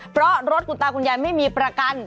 เพราะรถคุณตาคุณยายไม่มีประกัน